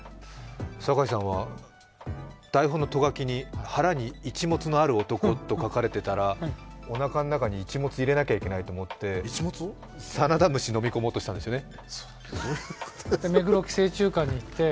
堺さんは台本のト書きに腹にイチモツのある男と書かれていたらおなかの中にイチモツ入れなきゃいけないと思って、サナダムシをのみ込もうとしたんですよね。